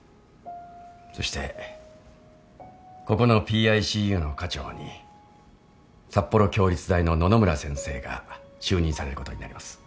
そしてここのＰＩＣＵの科長に札幌共立大の野々村先生が就任されることになります。